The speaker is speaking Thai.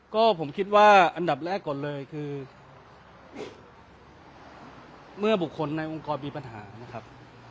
ก็ผมคิดว่าอันดับแรกก่อนเลยคือเมื่อบุคคลในองค์กรมีปัญหานะครับ